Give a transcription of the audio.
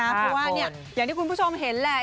เพราะว่าอย่างที่คุณผู้ชมเห็นแหละ